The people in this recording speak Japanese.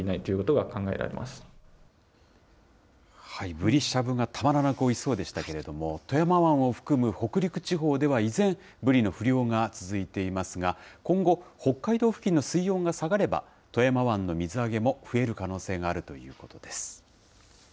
ブリしゃぶがたまらなくおいしそうでしたけれども、富山湾を含む北陸地方では依然、ブリの不漁が続いていますが、今後、北海道付近の水温が下がれば、富山湾の水揚げも増える可能性があるということです。